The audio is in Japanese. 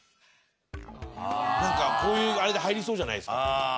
なんかこういうあれで入りそうじゃないですかね。